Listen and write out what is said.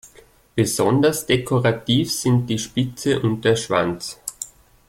Besonders dekorativ sind die Spitze und der Schwanz.